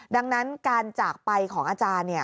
ดังนั้นการจากไปของอาจารย์